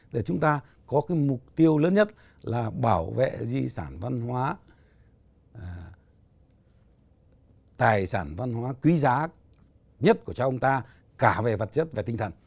để chúng ta có cái mục tiêu lớn nhất là bảo vệ di sản văn hóa tài sản văn hóa quý giá nhất của cha ông ta cả về vật chất và tinh thần